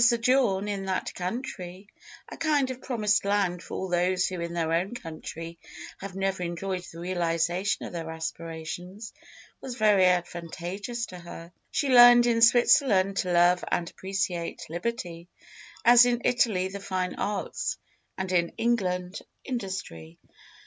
Her sojourn in that country a kind of Promised Land for all those who in their own country have never enjoyed the realisation of their aspirations was very advantageous to her. She learned in Switzerland to love and appreciate liberty, as in Italy the fine arts, and in England industry.